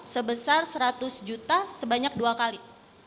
sebesar seratus juta sebanyak dua kali